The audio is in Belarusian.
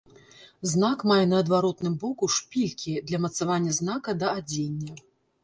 Знак мае на адваротным боку шпількі для мацавання знака да адзення.